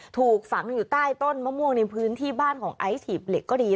ถูกฝังอยู่ใต้ต้นมะม่วงในพื้นที่บ้านของไอซ์หีบเหล็กก็ดี